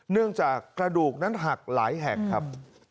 เนื่องจากกระดูกนั้นหักหลายแห่งครับ